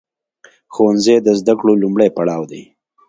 ښوونځی د زده کړو لومړی پړاو دی.